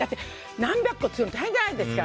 何百個作るの大変じゃないですか。